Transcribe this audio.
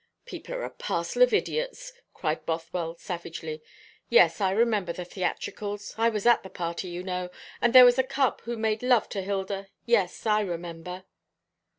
"People are a parcel of idiots!" cried Bothwell savagely. "Yes, I remember the theatricals. I was at the party, you know; and there was a cub who made love to Hilda. Yes, I remember."